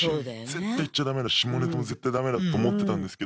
絶対言っちゃ駄目だし下ネタも絶対駄目だと思ってたんですけど